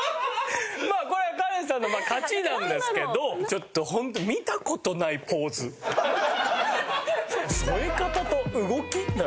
まあこれカレンさんの勝ちなんですけどちょっとホント添え方と動きムーブが。